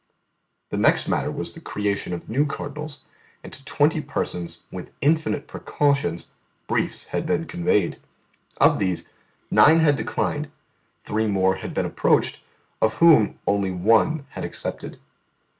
The next matter was the creation of new cardinals, and to twenty persons, with infinite precautions, briefs had been conveyed. Of these, nine had declined; three more had been approached, of whom only one had accepted.